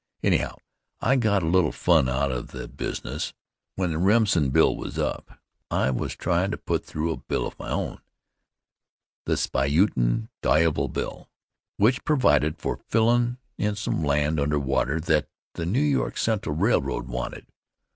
Anyhow I got a little fun out of the business. When the Remsen Bill was up, I was tryin' to put through a bill of my own, the Spuyten Duyvil Bill, which provided for fillin' in some land under water that the New York Central Railroad wanted.